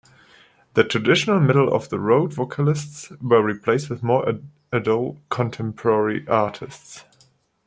The traditional middle-of-the-road vocalists were replaced with more adult contemporary artists.